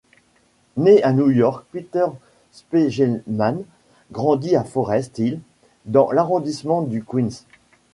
Né à New York, Peter Spiegelman grandit à Forest Hills dans l'arrondissement du Queens.